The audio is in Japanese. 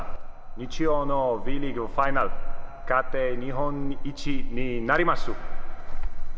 日曜のＶリーグファイナル、勝って日本一になります。